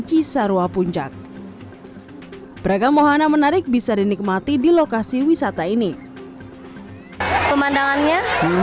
di sarawak puncak beragam mohana menarik bisa dinikmati di lokasi wisata ini pemandangannya